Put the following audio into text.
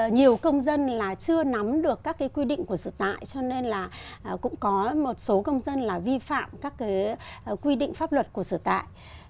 nhiều công dân là chưa nắm được các quy định của sự tại cho nên là cũng có một số công dân là vi phạm các quy định pháp luật của sở tại